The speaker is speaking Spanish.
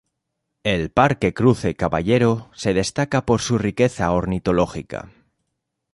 El parque Cruce Caballero se destaca por su riqueza ornitológica.